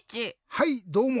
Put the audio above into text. はいどうも！